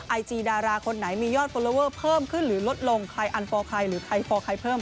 ไอจีดาราคนไหนมียอดฟอลลอเวอร์เพิ่มขึ้นหรือลดลงใครอันฟอร์ใครหรือใครฟอร์ใครเพิ่ม